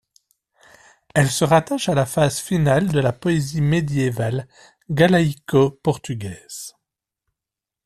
Elle se rattache à la phase finale de la poésie médiévale galaïco-portugaise.